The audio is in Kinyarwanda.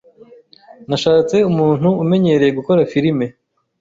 Nashatse umuntu umenyereye gukora firime